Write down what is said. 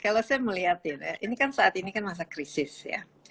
kalau saya melihat ini kan saat ini kan masa krisis ya